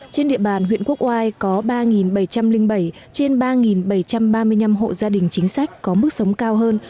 trên địa bàn huyện quốc oai có ba bảy trăm linh bảy trên ba bảy trăm ba mươi năm hộ gia đình chính sách có mức sống cao hơn